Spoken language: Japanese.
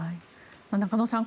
中野さん